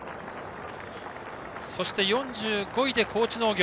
そして４５位で高知農業。